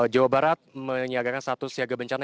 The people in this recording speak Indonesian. jawa barat menyiagakan status siaga bencana